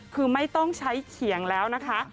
คือไม่ต้องใช้เขียงแล้วนะคะ